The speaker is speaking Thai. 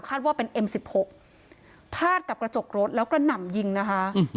ว่าเป็นเอ็มสิบหกพาดกับกระจกรถแล้วกระหน่ำยิงนะคะ